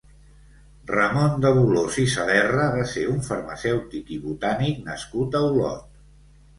Ramon de Bolòs i Saderra va ser un farmacèutic i botànic nascut a Olot.